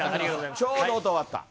ちょうど音終わった。